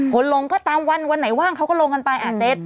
คนลงก็ตามวันวันไหนว่างเขาก็ลงกันไป